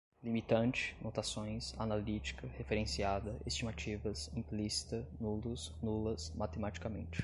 limitante, notações, analítica, referenciada, estimativas, implícita, nulos, nulas, matematicamente